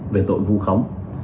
về tội vu khống